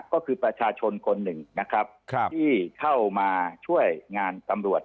ก็คือประชาชนคนหนึ่งนะครับที่เข้ามาช่วยงานตำรวจ